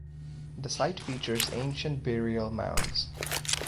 The site features ancient burial mounds.